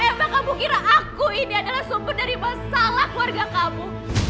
emang kamu kira aku ini adalah sumber dari masalah keluarga kamu